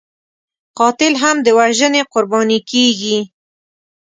قاتل هم د وژنې قرباني کېږي